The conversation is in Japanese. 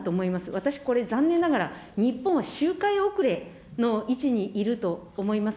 私、これ、残念ながら日本は周回遅れの位置にいると思います。